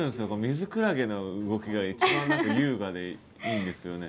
ミズクラゲの動きが一番優雅でいいんですよね。